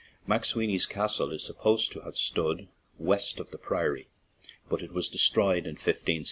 McSweeny's castle is sup posed to have stood west of the priory, but it was destroyed in 1 5 16.